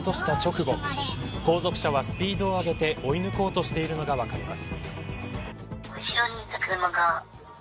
後続車は、スピードを上げて追い抜こうとしているのが分かります。